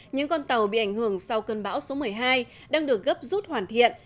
những con tàu bị ảnh hưởng sau cơn bão số một mươi hai đang được gấp rút hoàn thiện